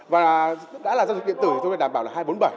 và đã là doanh nghiệp điện tử thì thôi đảm bảo là hai trăm bốn mươi bảy